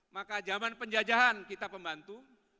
maka zaman penjajahan kita pembantu